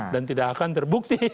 dan tidak akan terbukti